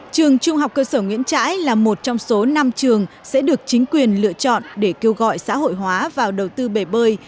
trường trung học cơ sở nguyễn trãi là một trong số năm trường sẽ được chính quyền lựa chọn để kêu gọi xã hội hóa vào đầu tư bể bơi